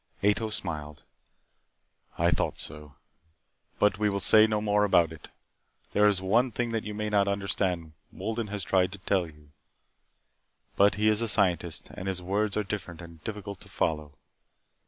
Ato smiled. "I thought so But we will say no more about it. There is one thing that you may not understand. Wolden has tried to tell you. But he is a scientist, and his words are different and difficult to follow.